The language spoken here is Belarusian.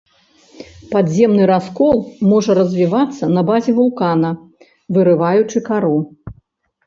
Падземны раскол можа развівацца на базе вулкана, вырываючы кару.